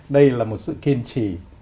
đây là một sự kiên trì